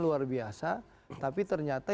luar biasa tapi ternyata